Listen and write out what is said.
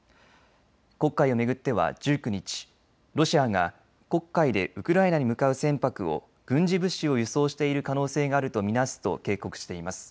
黒海を巡っては１９日、ロシアが黒海でウクライナに向かう船舶を軍事物資を輸送している可能性があると見なすと警告しています。